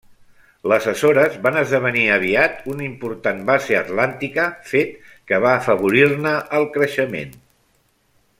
Les Açores van esdevenir aviat una important base atlàntica, fet que va afavorir-ne el creixement.